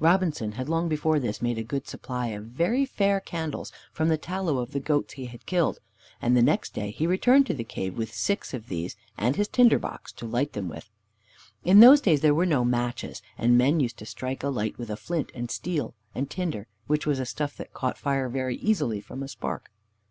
Robinson had long before this made a good supply of very fair candles from the tallow of the goats he had killed, and next day he returned to the cave with six of these, and his tinder box to light them with. In those days there were no matches, and men used to strike a light with a flint and steel, and tinder, which was a stuff that caught fire very easily from a spark.